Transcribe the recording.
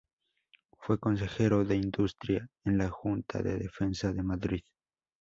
Fue consejero de Industria en la Junta de Defensa de Madrid.